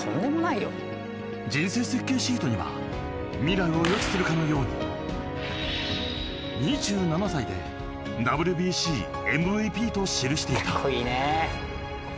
人生設計シートには未来を予知するかのように２７歳でＷＢＣＭＶＰと記していた。